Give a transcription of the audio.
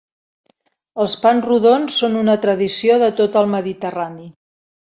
Els pans rodons són una tradició de tot el Mediterrani.